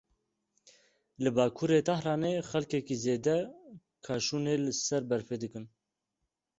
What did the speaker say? Li bakurê Tehranê xelkekî zêde kaşûnê li ser berfê dikin.